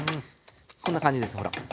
こんな感じですほら。